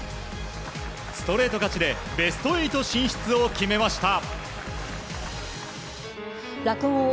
ストレート勝ちでベスト８進出を決めました。